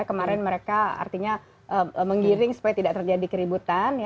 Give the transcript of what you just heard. kemarin mereka artinya menggiring supaya tidak terjadi keributan